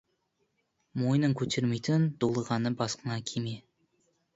Мойның көтермейтін дулығаны басыңа киме.